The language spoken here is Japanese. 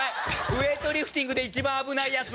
ウェートリフティングで一番危ないやつ！